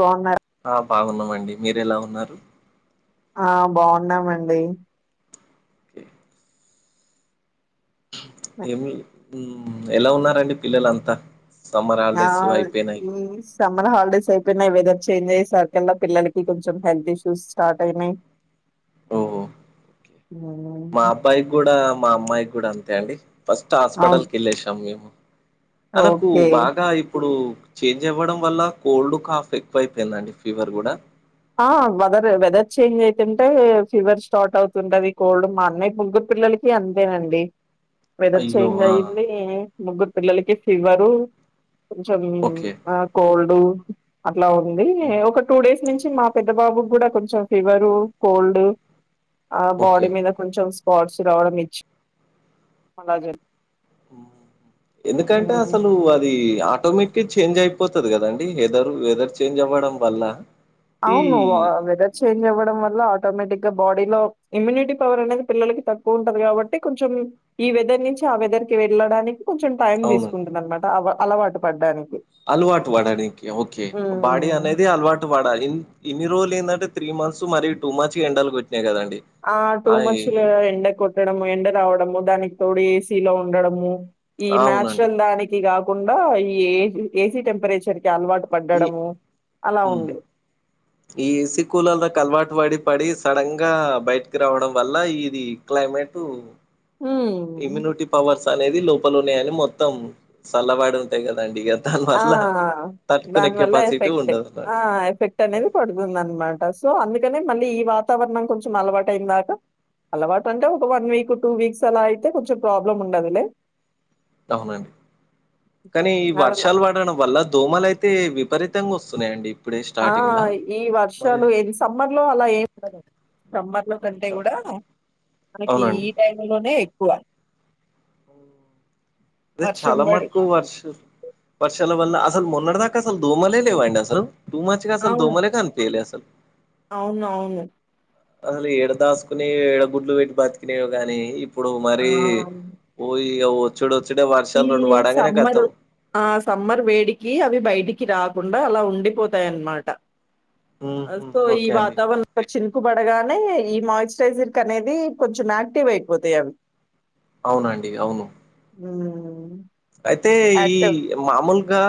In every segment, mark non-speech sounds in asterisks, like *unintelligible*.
బాగున్నారా ఆ బాగున్నామండి మీరు ఎలా ఉన్నారు ఆ బాగున్నామండి *inaudible* ఏమి ఎలా ఉన్నారండి పిల్లలు అంతా సమ్మర్ ఆ హాలిడేస్ అయిపోయినాయి ఈ సమ్మర్ హాలిడేస్ అయిపోయినయి వెదర్ చేంజ్ అయ్యే సరికీ పిల్లలకి కొంచెం హెల్త్ ఇష్యూస్ స్టార్ట్ అయినాయి ఓహో ఓకే. మా ఉ అబ్బాయికి కూడా మా అమ్మాయికి కూడా అంతే అండి ఫస్ట్ హాస్పిటల్ అవును కి వెళ్ళసాం మేము వాళ్లకు ఓకే బాగా ఇ ఇప్పుడు చేంజ్ అవ్వడం వల్ల కోల్డ్ కాఫ్ ఎక్కువ అయిపోయిందండి ఫీవర్ కూడా ఆ వదర్ వెదర్ చేంజ్ అయితుంటే ఫీవర్ స్టార్ట్ అవుతుంటది కోల్డ్ మా అన్నయ్య ముగ్గురు పిల్లలకి ఇక అంతేనండి వెదర్ అయ్యో చేంజ్ ఆ అయ్యింది ముగ్గురు పిల్లలకి ఫీవరు కొంచెం ఓకే ఆ కోల్డ్ అట్లా ఉంది మ్మ్, ఒక టూ డేస్ నుంచి మా పెద్ద బాబు కూడా కొంచెం ఫీవరు కోల్డ్ ఆ ఓకే బాడీ మీద కొంచెం స్పాట్స్ రావడం ఇచ్చి అలా జరిగి ఎందుకంటే జరుగుతుంది అసలు అది ఆటోమేటిక్ చేంజ్ అయిపోతది కదండి వెదరు వెదర్ చేంజ్ అవ్వడం వల్ల ఈ అవును వ వెదర్ చేంజ్ అవ్వడం వల్ల ఆటోమేటిక్ గా బాడీ లో ఇమ్యూనిటీ పవర్ అనేది పిల్లలకి తక్కువ ఉంటది కాబట్టి కొంచెం ఈ వెదర్ నుంచి ఆ వెదర్ కి వెళ్ళడానికి కొంచెం టైం అవునండి తీసుకుంటుంది అనమాట అలవాటు పడడానికి అలవాటు పడనికి ఓకే బాడి అనేది అలవాటు పడ ఇ ఇన్ని రోజులు ఏందంటే త్రీ మంత్స్ మరిీ టూ మచ్ గ ఎండలు కొట్టినాయి కదండి ఆ టూ మచ్చులు ఎండ కొట్టడము ఎండ రావడము దానికి తోడు ఏసీలో ఉండడము ఈ అవునండి. నాచురల్ దానికి కాకుండా ఈ ఏ ఏసీ టెంపరేచర్ కి అలవాటు ఏ పడ్డడము అలా ఉంది. ఈ ఏసీ కూలర్ లకి అలవాటు పడి పడి సడన్ గా బయటకి రావడం వల్ల ఇది క్లైమేటు హ ఇమ్యూనిటీ పవర్స్ అనేది లోపలనేయని మొత్తం చల్లబడుంటయి కదండి ఇక ఆ దాని వల్ల కెపాసిటీ ఎఫెక్ట్ ఆ ఉండదన్నట్టు. ఎఫెక్ట్ అనేది పడుతుంద అనమాట సో అందుకనే మళ్ళీ ఈ వాతావరణం కొంచెం అలవాటుయిన దాకా అలవాటు అంటే ఒక వన్ వీక్ టూ వీక్స్ అలా అయితే కొంచెం ప్రాబ్లం ఉండదులే అవునండి కానీ ఈ అదలా వర్షాలు పడడం వల్ల దోమలైతే అయితే విపరీతంగా వస్తున్నాయండి ఇప్పుడే ఆ స్టార్టింగ్‌లా. ఈ మరి వర్షాలు ఏది సమ్మర్ లో అలా ఏమిండ సమ్మర్ లో కంటే కూడా మనకి ఈ అవునండి టైం లోనే ఎక్కువ ఓ అదే వర్షం చాలా బడి మటుకు వర్ష వర్షాల వల్ల అసలు మొన్నటి దాకా అసలు దోమలే లేవండి అసలు టూ మంత్స్ గ అసలు అవును. దోమలే కనీపీయాలా అసలు అవునవును అసలు ఎడ దాసుకుని ఎడగుడ్లు పెట్టి బతికినయో గాని ఇప్పుడు ఆ! మరి ఓ ఇ వచ్చుడు వచ్చుడే ఈ వర్షాలు రెండు పడంగానే సమ్మరు కతం ఆ సమ్మర్ వేడికి అవి బయటికి రాకుండా అలా ఉండిపోతాయన్నమాట *unintelligible* ఈ ఓకే అండి వాతావరణం ఒక చినుకు పడగానే ఈ మాయిశ్చరైజర్ కి అనేది కొంచెం యాక్టివ్ అయిపోతాయి అవి అవునండి అవును హ్మ్ అయితే ఈ యాక్టివ్ మామూలుగా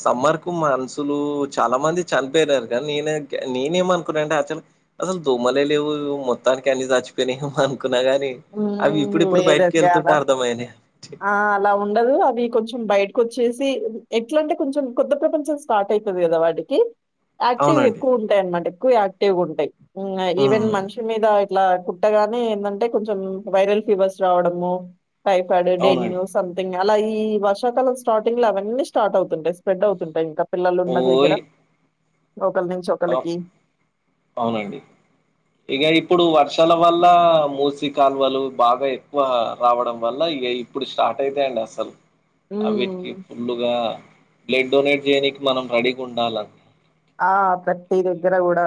సమ్మర్ కు మనుషులు చాలా మంది చనిపోయినారు కానీ నేనే నేనే మనుకున్నా అంటే అచలు అసలు దోమలే లేవు మొత్తానికి అన్నీ చచ్చిపోయినయి అనుకున్నా గాని అవి హ్మ్. ఇప్పుడుప్పుడు బయటికి లేదండి అలా. వెళ్తుంటే అర్థమైనయి ఛీ ఆ! అలా ఉండవు అవి కొంచెం బయటకు వచ్చేసి ఎట్లా అంటే కొంచెం కొత్త ప్రపంచం స్టార్ట్ అవుతుంది కదా వాటికి కి యాక్టివ్ అవునండి. ఎక్కువ ఉంటాయి అనమాట ఎక్కువ యాక్టివ్గా ఉంటాయి ఈవెన్ హ్మ్. మనుషు కి మీద ఇట్లా కుట్టగానే ఏంటంటే కొంచెం వైరల్ ఫీవర్స్ రావడము టైఫాయిడు అవునండి. డెంగ్యూస్ సంథింగ్ అలా ఈ వర్షాకాలం స్టార్టింగ్ లో అవన్నీ స్టార్ట్ అవుతుంటాయి స్ప్రెడ్ అవుతుంటాయి ఇంకా పిల్లలు ఉన్న దగ్గర ఓయ్! ఒకరి నుంచి అవ్ ఒకరికి అవునండి ఇక ఇప్పుడు వర్షాల వల్ల మూసి కాలువలు బాగా ఎక్కువ రావడం వల్ల ఇక ఇప్పుడు స్టార్ట్ అయితయండి అసలు అవీటికి హ్మ్. ఫుల్గా బ్లడ్ డొనేట్ చేయనికి మనం రెడీగా ఉండాల ఆ ప్రతి దగ్గర కూడా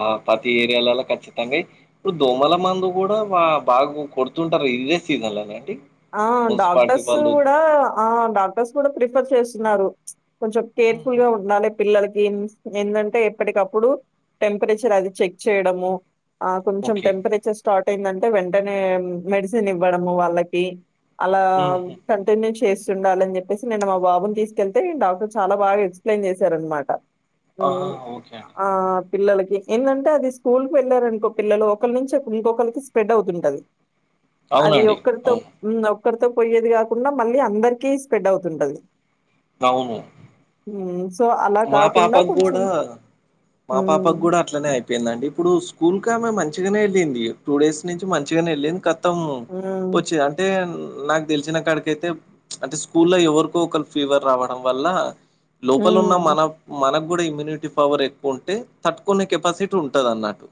ఆ ప్రతి ఏరియాలలో ఖచ్చితంగా ఇప్పుడు దోమల మందు కూడా బాగా కొడుతుంటారు ఇదే సీజన్ లోనేండి ఆ డాక్టర్స్ కూడా ఆ డాక్టర్స్ కూడా ప్రిఫర్ చేస్తున్నారు ప్చ్ కొంచెం కేర్ఫుల్ హుహు. గా ఉండాలే పిల్లలకి ఎందంటే ఎప్పటికప్పుడు టెంపరేచర్ అది చెక్ చేయడము ఆ కొంచెం ఓకే టెంపరేచర్ స్టార్ట్ అయిందంటే వెంటనే మెడిసిన్ ఇవ్వడము వాళ్ళకి అలా హుహు. అటెండెస్ చేస్తుండాలని చెప్పేసి నేను మా బాబుని తీసుకెళ్తే డాక్టర్ చాలా బా ఎక్స్ప్లెయిన్ చేశారనమాట ఆహా ఓకే అండి ఆ పిల్లలకి ఏంటంటే అది స్కూల్ కి వెళ్లారనుకో పిల్లలు ఒకరి నుంచి ఇంకొకరికి స్పెడ్ అవుతుంటది అది అవునండి ఒక్కరితో అవును ఒక్కరితో పోయ్యేది కాకుండా మళ్ళీ అందరికీ స్ప్రెడ్ అవుతుంటది అవును సో మా కాకుండా పాపకు కొంచెం కూడా మా పాపకు హ్మ్. కూడా అట్లనే అయిపోయిందండి ఇప్పుడు స్కూల్ కి ఆమె మంచిగానే వెళ్ళింది టూ డేస్ నుంచి మంచిగానే వెళ్ళింది కాని మొత్తం హ్మ్. వచ్చేయి అంటే నాకు తెలిసిన కాడికయితే అంటే స్కూల్ లో ఎవరికో ఒకరికి ఫీవర్ రావడం వల్ల లోపల ఉన్నా హ్మ్. మనకు కూడా ఇమ్యూనిటీ పవర్ ఎక్కువ ఉంటే తట్టుకునే కెపాసిటీ ఉంటది అన్నట్టు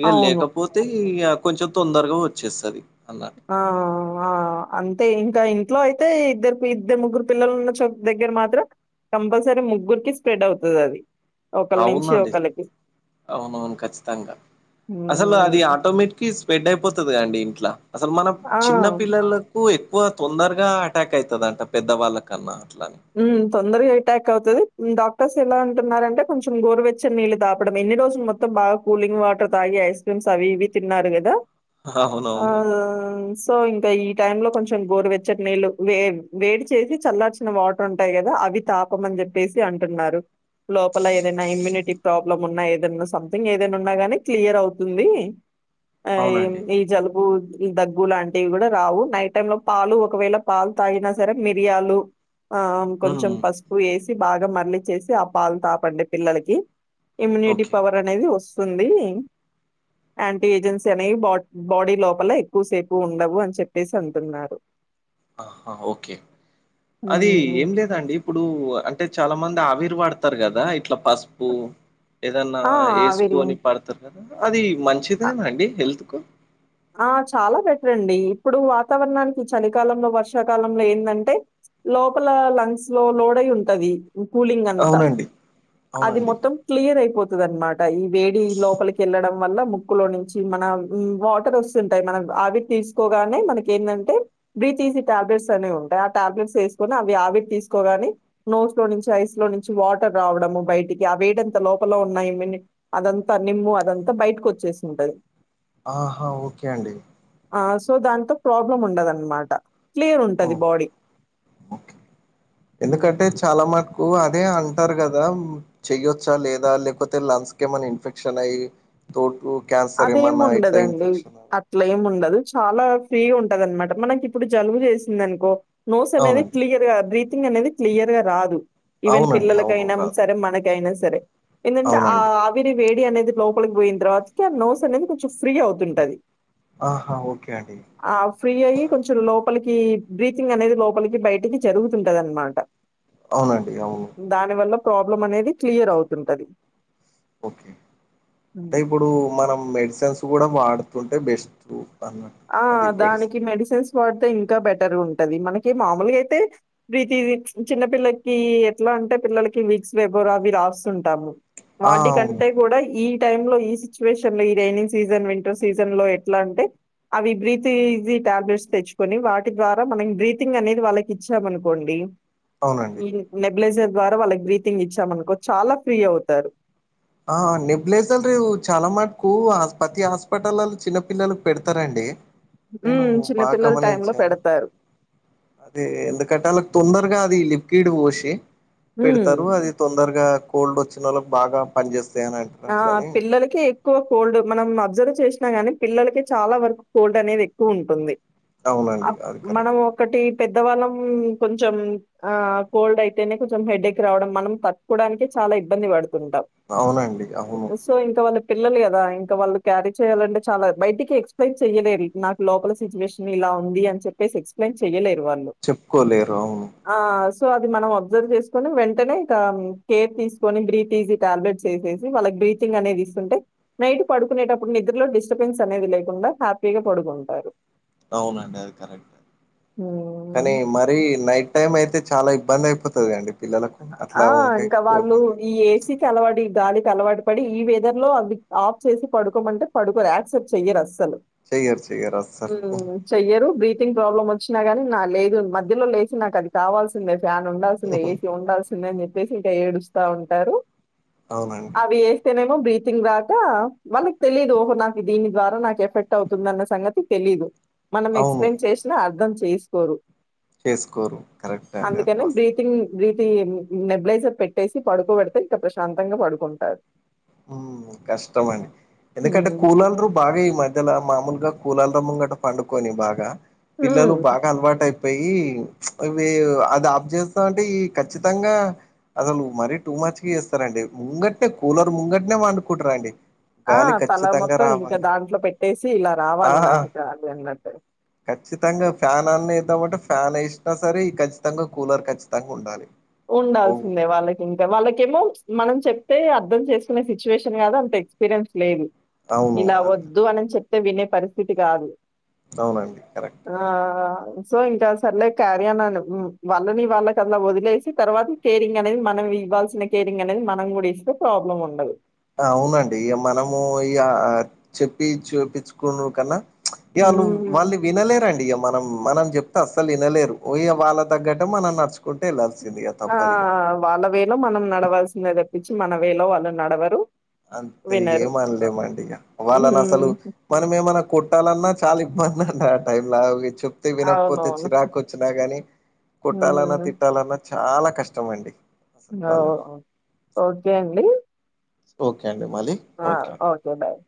ఇక అవును. లేకపోతే ఇగ కొంచెం తొందరగా వచ్చేస్తది అలా అవు ఆ అంతే ఇంకా ఇంట్లో అయితే ఇద్దరు ఇద్దరు ముగ్గురు పిల్లలు ఉన్న చో దగ్గర మాత్రం కంపల్సరీ ముగ్గురికి స్ప్రెడ్ అవుతాది అది అవునండి అవునవును ఖచ్చితంగా అసలు అది హ్మ్. ఆటోమేటిక్ స్ప్రెడ్డ్ అయిపోతదిగా ఇంట్లా అసలు మనం చిన్న ఆ! పిల్లల కు ఎక్కువ తొందరగా అటాక్ అయితదంట పెద్దవాళ్ళ కన్నా అట్ల ఉమ్మ్ తొందరగా అటాక్ అవుతది డాక్టర్స్ ఎలా అంటున్నారంటే కొంచెం గోరువెచ్చ నీళ్ళ తాపడం ఎన్ని రోజులు మొ త్తం బాగా కూలింగ్ వాటర్ తాగి ఐస్ క్రీమ్స్ అవి ఇవి తిన్నారు కదా అవునవును. ఆహ్ సో ఇంకా ఈ టైంలో కొంచెం గోరు వెచ్చటి నీళ్లు వే వేడి చేసి చల్లార్చిన వా టర్ ఉంటాయి కదా అవి తాపమని చెప్పేసి అంటున్నారు లోపల ఏదైనా ఇమ్యూనిటీ ప్రాబ్లం ఉన్న ఏదన్నా సంథింగ్ ఏదైనా ఉన్నా గాని క్లియర్ అవుతుంది ఆ ఏం అవునండి. ఈ జలుబు దగ్గు లాంటివి కూడా రావు నైట్ టైంలో పాలు ఒకవేళ పాలు తాగిన సరే మిరియాలు ఆ హ్మ్. కొంచెం హ్మ్. పసుపు ఏసి బాగా మర్లిచేసి ఆ పాలు తాపండి పిల్లలకి ఇమ్యూనిటీ ఓకే. పవర్ అనేది వస్తుంది యాంటీ ఏజెంట్స్ అనేవి బా బాడీ లోపల ఎక్కువసేపు ఉండవు అని చెప్పేసి అంటున్నారు ఆహా ఓకే అది హ్మ్. ఏం లేదండి ఇప్పుడు అంటే చాలా మంది ఆవిరి పడ్ తరు కదా ఇట్లా పసుపు ఏదన్నా ఆ! అవి ఏసుకొని పడతారు కదా అది అ మంచిదేనాండి హెల్త్‌కు ఆ చాలా బెటర్ అండి ఇప్పుడు వాతావరణానికి చలికాలంలో వర్షాకాలంలో ఏందంటే లోపల లంగ్స్‌లో లోడై ఉంటది కూలింగ్ అంతా అవునండి. అది అవునండి. మొత్తం క్లియర్ అయిపోతది అనమాట ఈ వేడి లోపలికి ఎళ్ళడం వల్ల ముక్కులో నుంచి మన ఉమ్ వా టర్ వస్తుంటాయి మనం అవి తీసుకోగానే మనకి ఏందంటే బ్రీత్ ఈజీ టాబ్లెట్స్ అనేవి ఉంటాయి ఆ టాబ్లెట్స్ ఏసుకొని అవి ఆవిరి తీసుకోగానే నోస్ లో నుంచి ఐస్ లో నుంచి వాటర్ రావడము బయటికి అ వేడంతా లోపల ఉన్నా ఇమ్యూ అదంతా నిమ్ము అదంతా బయటకు వచ్చేసి ఉంటది ఆహా ఓకే అండి ఆ సో దాంతో ప్రాబ్లం ఉండదన్నమాట ఓ ఓకే హ్మ్. ఎందుకంటే చాలా మటుకు అదే అంటారు కదా చెయ్యొచ్చా లేదా లేకపోతే లంగ్స్‌ కు ఏమన్నా ఇన్ఫెక్షన్ అయ్యి తోటు క్యాన్సర్ ఏమన్నా ఇట్లా ఇన్ఫెక్షన్ అట్లేం ఉండదు చాలా ఫ్రీగా ఉంటది అనమాట మనకి ఇప్పుడు జలుబు చేసింది అనుకో నోస్ అనేది అవునండి క్లియర్‌గా బ్రీతింగ్ అనేది క్లియర్‌గా రాదు ఈవెన్ అవునండి అవును పిల్లలకైనా రాదు సరే మనకైనా సరే ఏందంటే ఆ అవునండి విరి వేడి అనేది లోపలికి పోయిన తర్వాతకి ఆ నోస్ అనేది కొంచెం ఫ్రీ అవుతుంటది ఆహా ఓకే అండి ఆ ఫ్రీ అయి కొంచెం లోపలికి బ్రీతింగ్ అనేది లోపలికి బయటికి జరుగుతుంటది అనమాట అవునండి అవును దాని వల్ల ప్రాబ్లం అనేది క్లియర్ అవుతుంటది ఓకే అంటే హ్మ్. ఇప్పుడు మనం మెడిసిన్స్ కూడా వాడుతుంటే బెస్ట్ అన్నట్టు. ఆ అది మెడిసిన్. దానికి మెడిసిన్స్ వాడితే ఇంకా బెటర్‌గా ఉంటది మనకి మామూలుగా అయితే బ్రీతిది చిన్నపిల్లకి ఎట్లా అంటే పిల్లలకి వీక్స్ వెబోరు అవి రాస్తుంటాము ఆ! అవును. వాటికంటే కూడా ఈ టైమ్‌లో ఈ సిచ్యువేషన్‌లో ఈ రైనింగ్ సీజన్ వింటర్ సీజన్‌లో ఎట్లా అంటే అవి బ్రీతిజీ టాబ్లెట్స్ తెచ్చుకొని వాటి ద్వారా మనం బ్రీతింగ్ అనేది వాళ్ళకి ఇచ్చామనుకోండి అవునండి. ఈ నెబిలైజర్ ద్వారా వాళ్ళకి బ్రీతింగ్ ఇచ్చామనుకో చాలా ఫ్రీ అవుతారు ఆ నిబ్లేజారు చాలా మటుకు ప్రతి హాస్పిటల్లో చిన్నపిల్లక్కు పెడతారండి నేను హ్మ్. చిన్న బా పిల్లల టైంలో గమనించాను పెడతారు. అది ఎందుకంటే వాళ్ళకి తొందరగా అది లిక్విడ్ పోసి హ్మ్. పెడతారు అది తొందరగా కోల్డ్ వచ్చిన వాళ్ళకి బాగా పని చేేస్తాయి అని అంటారు ఆ అట్లని పిల్లల్క్ ఎక్కువ కోల్డ్ మనం అబ్జర్వ్ చేసినా గాని పిల్లలకే చాలా వరకు కోల్డ్ అనేది ఎక్కువ ఉంటుంది అ అవునండి అది కరెక్ట్ మనం ఒకటి పెద్దవాళ్ళంము కొంచం ఆ కోల్డ్ అయితేనే కొంచెం హెడ్ ఎక్ రావడం మనం తట్టుకోవడానికి చాలా ఇబ్బంది పడుతుంటాం అవునండి అవును సో ఇంకా వాళ్ళ పిల్లలు కదా ఇంకా వాళ్ళు్ఖరీ చేయాలంటే చాలా బయటికి ఎక్స్ప్లయిన్ చెయలేరు నాకు లోపల్ సిచ్యువేషన్ ఇలా ఉంది అని చెప్పేసి ఎక్స్ప్లెయిన్ చెయ్యలేరు వాళ్ళు చెప్పుకోలేరు ఆ సో అది మనం అబ్జర్వ్ చేసుకుని వెంటనే ఇక కేర్ తీసుకొని బ్రేత్ ఈజీ టాబ్లెట్స్ వేసే వాళ్ళకి బ్రీతింగ్ అనేది ఇస్తుంటే నైట్ పడుకునేటప్పుడు నిద్రలో డిస్టర్బెన్స్ అనేది లేకుండా హ్యాపీగా పడుకుంటారు అవునండి అది కరెక్ట్ అ హ్మ్. కానీ మర్ మరి నైట్ టైమ్ అయితే చాలా ఇబ్బంది అయిపోతది అండి పిల్లలకు ఆ అట్లా ఉంటే ఇంకా కోట్ వాళ్ళు ఉంటే ఈ ఏసీ అలవాటు ఇ గాలికి అలవాటు పడి ఈ వెదర్ లో అవి ఆఫ్ చేసి పడుకోమంటే పడుకోరు యాక్సెప్ట్ చెయ్యరు అస్సలు చెయ్యారు చెయ్యారు అసలు చెయ్యరు బ్రీతింగ్ ప్రాబ్లం వచ్చినా గాని నా లేదు మధ్యలో లేసి నాకు అది కావాల్సినంది సిందే ఫ్యాన్ ఉండాల్సిందే ఏసీ ఉండాల్సిందే అని చెప్పేసి ఇంకా ఏడుస్తా ఉంటారు అవునండి అవి వేస్తేనేమో బ్రీతింగ్ రాక వాళ్ళకి తెలీదు ఓహో నా దీని ద్వారా నాకు ఎఫెక్ట్ అవుతుందిన్న సంగతి తెలీదు మనం అవును ఎక్స్ప్లెయిన్ చేసినా అర్థం చేసుకోరు చేస్కోరు కరెక్ట్ ఆదిమాత్రం ంగ్ బ్రీతింగ్ నబిలైజర్ పెట్టేసి పడుకోబడితే ఇంకా ప్రశాంతంగా పడుకుంటారు కష్టమండి ఎందుకంటే హ్మ్. కూలందరూ బాగా ఈ మ ద్దల మామూలుగా కూలార్ముంగట పండుకొని బాగా హ్మ్. పిల్లలు బాగా అలవాటు అయిపోయి పోయి అవి అది ఆప్ చేస్తా అంటే ఈ ఖచ్చితంగా అసలు మరీ టూ మచ్గ చేస్తారండి ముంగటనే కూలర్ ముంగటనే పండుకుంటారండి ఆ గాలి తల ఖచ్చితంగా మొత్తం ఇంకా రావాలి దాంట్లో పెట్టేసి ఇలా ఆ రావాలి నాకిక్కా అన్నట్టు ఖచ్చితంగా ఫ్యాన్ అన్న ఎద్దామంటే ఫ్యాన్ వేసినా సరే ఖచ్చితంగా కూలర్ ఖచ్చితంగా ఉండాలి బో ఉండాల్సిందే వాళ్ళకి ఇంకా వాళ్ళకేమో మనం చెప్తే అర్ధం చేస్కునే సిచ్యువేషన్ కాదు అంత ఎక్స్పీరియన్స్ లేదు అవును ఇలా వద్దు అని చెప్తే వినే పరిస్థితి కాదు అవునండి కరెక్ట్ ఆ సో ఇంకా సర్లే క్యారియానా వాళ్ళని వాళ్ళ కలా వదిలేసి తర్వాత కేరింగ్ అనేది మనం ఇవ్వాల్సిన కేరింగ్ అనేది మనం కూడా ఇస్తే ప్రాబ్లం ఉండదు అవునండి ఇగ మనము ఇ చెప్పి చూపించుకున్నారు కన్నా ఏలు హ్మ్. వాళ్ళు వినలేరండి ఇ మనం మనం చెప్తే అస్సలు వినలేరు వాళ్ళ తగ్గట్టు మనం నడుచు కొంటె ఎలాల్సిందిగా ఆ! తప్పదిగా వాళ్ళ వేలో మనం నడవాల్సిందే తప్పించి మన వేలో వాళ్ళు నడవరు అంత వినరు. ఏమనలేమండి ఇగ వాళ్ళని అసలు హ్మ్. మనం ఏమన్నా కొట్టలన్న చాలా ఇబ్బంది అండి ఆ టైం లాచ్చు వినకపోతే అవునవును. చిరాకు వచ్చినా గానీ కొట్టాలన్నా హ్మ్. తిట్టాలన్నా చాలా కష్టం అండి అసలు వాళ్ళని ఒకే అండి ఓకే అండి మలి ఆ ఓకే బాయ్